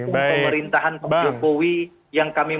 memastikan pemerintahan pak jokowi yang kami menerima